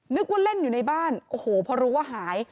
นึกว่าเล่นอยู่ในบ้านโอ้โหพอรู้ว่าหาย